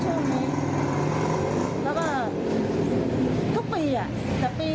ช่วงจำนวนยังไม่เป็นเป็นแค่ช่วงนี้แล้วก็ทุกปีอ่ะ